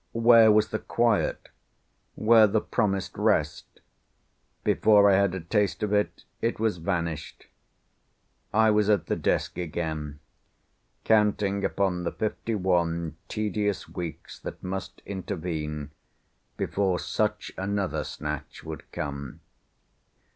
Where was the quiet, where the promised rest? Before I had a taste of it, it was vanished. I was at the desk again, counting upon the fifty one tedious weeks that must intervene before such another snatch would come.